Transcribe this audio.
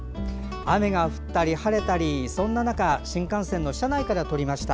雨が降ったり晴れたりそんな中、新幹線の車内から撮りました